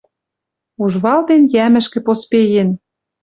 Уж валтен йӓмӹшкӹ поспеен